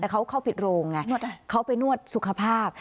แต่เขาเข้าปิดโรงไงเขาไปนวดสุขภาพ